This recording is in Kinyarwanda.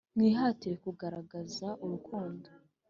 Mwihatire kugaragaza urukundo